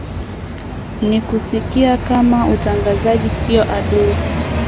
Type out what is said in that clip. nikusikia kama utangazaji sio adui